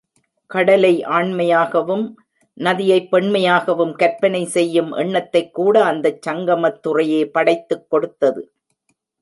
கடலை ஆண்மையாகவும், நதியைப் பெண்மையாகவும் கற்பனை செய்யும் எண்ணத்தைக் கூட அந்தச் சங்கமத்துறையே படைத்துக் கொடுத்தது.